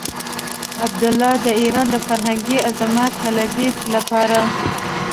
عبدالله د ايران د فرهنګي عظمت طلبۍ لپاره.